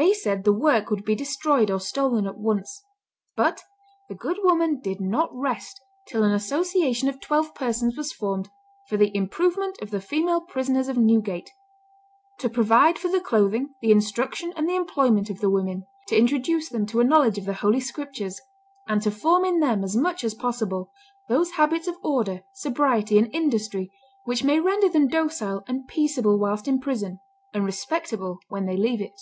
They said the work would be destroyed or stolen at once. But the good woman did not rest till an association of twelve persons was formed for the "Improvement of the Female Prisoners of Newgate"; "to provide for the clothing, the instruction, and the employment of the women; to introduce them to a knowledge of the Holy Scriptures; and to form in them, as much as possible, those habits of order, sobriety, and industry, which may render them docile and peaceable whilst in prison, and respectable when they leave it."